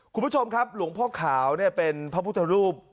คุณผู้ชมครับหลวงพ่อขาวเป็นพระพุทธรูป